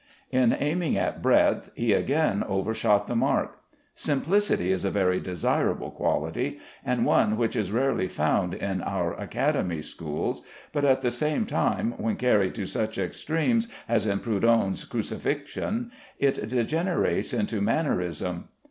In aiming at breadth, he again overshot the mark. Simplicity is a very desirable quality, and one which is rarely found in our Academy schools, but at the same time, when carried to such extremes as in Prudhon's "Crucifixion" it degenerates into mannerism.